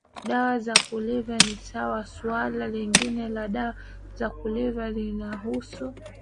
dawa za kulevya ni sawa Swala lingine la dawa za kulevya linahusu